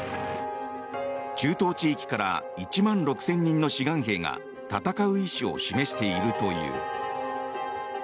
中東地域から１万６０００人の志願兵が戦う意思を示しているという。